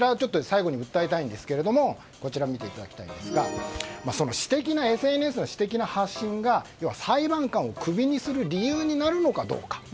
最後に訴えたいんですが、こちら見ていただきたいんですが私的なＳＮＳの発信が裁判官をクビにする理由になるのかどうか。